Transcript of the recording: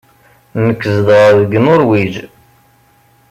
Nekk zedɣeɣ deg Nuṛwij.